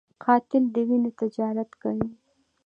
قاتل د وینو تجارت کوي